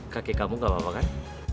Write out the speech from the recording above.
kakek kamu gak apa apa kan